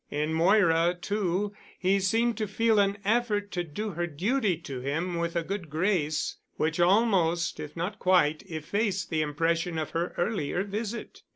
In Moira, too, he seemed to feel an effort to do her duty to him with a good grace, which almost if not quite effaced the impression of her earlier visit.